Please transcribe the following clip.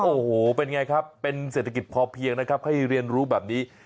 โอ้โหเป็นไงครับเป็นเศรษฐกิจพอเพียงนะครับให้เรียนรู้แบบนี้